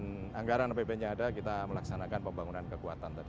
dengan anggaran dan ppn yang ada kita melaksanakan pembangunan kekuatan tadi